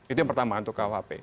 itu yang pertama untuk kuhp